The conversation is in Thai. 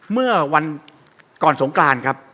เมื่อวันก่อนสงกรานครับ